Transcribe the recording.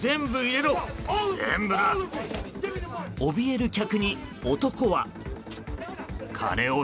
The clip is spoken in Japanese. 怯える客に男は。